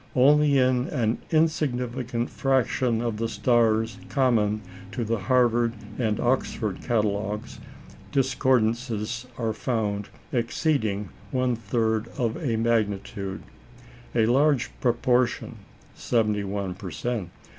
Only in an insignificant fraction of the stars common to the Harvard and Oxford catalogues discordances are found exceeding one third of a magnitude; a large proportion (71 per cent.)